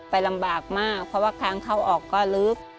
ไปลำบากมากเพราะว่าครั้งเข้าออกก็ลืบ